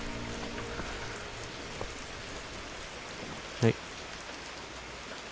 はい。